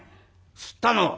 吸ったの！